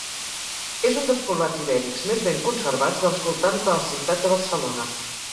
És un dels poblats ibèrics més ben conservats dels voltants de la ciutat de Barcelona.